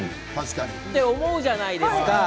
思うじゃないですか。